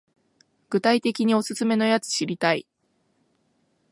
具体的にオススメのやつ知りたい